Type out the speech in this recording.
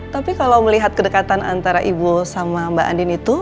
tapi kalau melihat kedekatan antara ibu sama bu andin